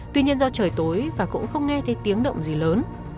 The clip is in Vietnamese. tuy nhiên do trời tối và cũng không nghe thấy tiếng động gì lớn